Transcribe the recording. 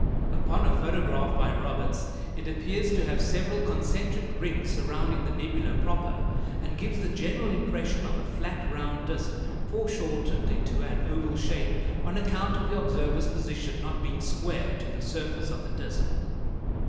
Upon a photograph by Roberts it appears to have several concentric rings surrounding the nebula proper, and gives the general impression of a flat round disk foreshortened into an oval shape on account of the observer's position not being square to the surface of the disk.